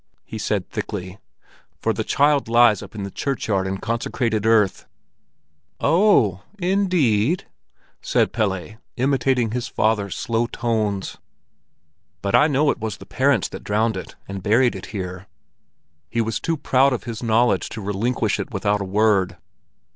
he said thickly; "for the child lies up in the churchyard in consecrated earth." "O—oh, inde—ed?" said Pelle, imitating his father's slow tones. "But I know it was the parents that drowned it—and buried it here." He was too proud of his knowledge to relinquish it without a word.